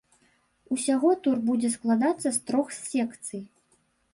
Усяго тур будзе складацца з трох секцый.